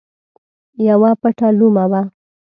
یوه پټه لومه وه.